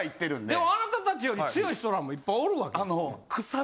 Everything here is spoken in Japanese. でもあなた達より強い人らもいっぱいおるわけでしょ。